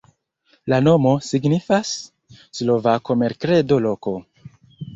La nomo signifas: slovako-merkredo-loko.